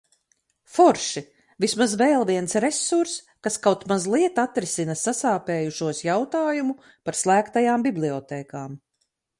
Forši, vismaz vēl viens resurss, kas kaut mazliet atrisina sasāpējušos jautājumu par slēgtajām bibliotēkām.